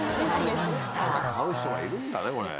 買う人がいるんだねこれ。